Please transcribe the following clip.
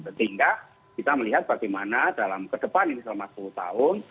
sehingga kita melihat bagaimana dalam ke depan ini selama sepuluh tahun